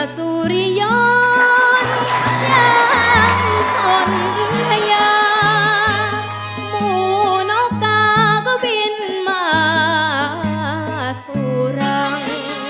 ส่วนชนพิธยาหมู่นอกกากวินมาสู่รัง